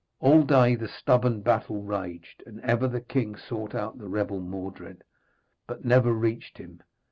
All day the stubborn battle raged, and ever the king sought out the rebel Mordred, but never reached him.